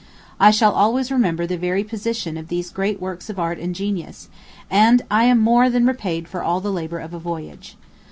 I shall always remember the very position of these great works of art and genius; and I am more than repaid for all the labor of a voyage.